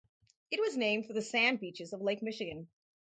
It was named for the sand beaches of Lake Michigan.